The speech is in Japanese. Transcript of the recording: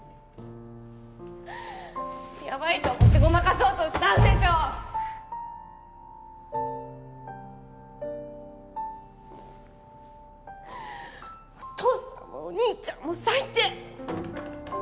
ヤバいと思ってごまかそうとしたんでしょお父さんもお兄ちゃんも最低！